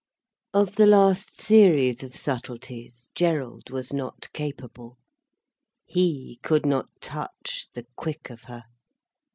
Of the last series of subtleties, Gerald was not capable. He could not touch the quick of her.